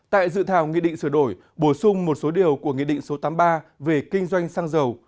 tại dự thảo nghị định sửa đổi bổ sung một số điều của nghị định số tám mươi ba về kinh doanh xăng dầu